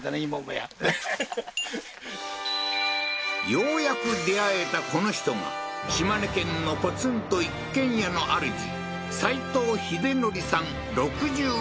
ようやく出会えたこの人が島根県のポツンと一軒家のあるじ